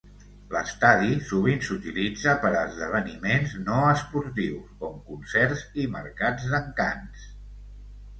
L'estadi sovint s'utilitza per a esdeveniments no esportius, com concerts i mercats d'encants.